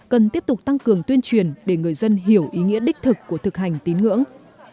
cần tiếp tục tăng cường tuyên truyền để người dân hiểu ý nghĩa đích thực của thực hành tín ngưỡng